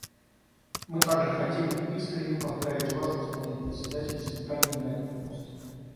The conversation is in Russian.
Мы также хотим искренне поздравить Вас, господин Председатель, с избранием на этот пост.